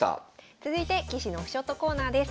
続いて棋士のオフショットコーナーです。